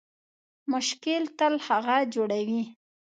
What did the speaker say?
مشکل تل هغه جوړوي